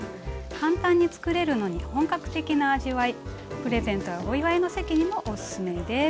簡単に作れるのに本格的な味わいプレゼントやお祝いの席にもおすすめです。